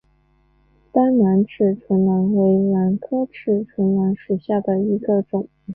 单囊齿唇兰为兰科齿唇兰属下的一个种。